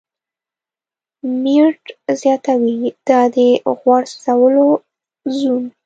میرټ زیاتوي، دا د "غوړ سوځولو زون